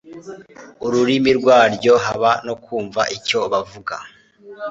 ururimi rwaryo haba no kumva icyo bavuga